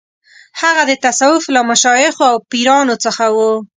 هغه د تصوف له مشایخو او پیرانو څخه و.